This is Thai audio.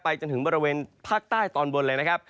จนถึงบริเวณภาคใต้ตอนบนเลยนะครับ